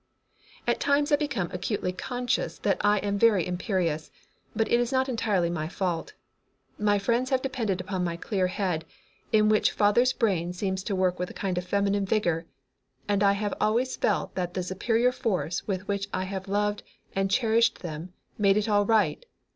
At times I become acutely conscious that I am very imperious, but it is not entirely my fault. My friends have depended upon my clear head, in which father's brain seems to work with a kind of feminine vigor, and I have always felt that the superior force with which I have loved and cherished them made it all right.